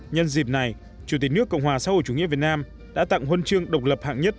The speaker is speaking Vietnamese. nhân dịp này chủ tịch nước cộng hòa xã hội chủ nghĩa việt nam đã tặng huân chương độc lập hạng nhất